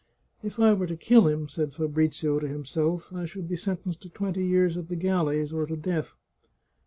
" If I were to kill him," said Fabrizio to himself, " I should be sentenced to twenty years at the galleys or to death.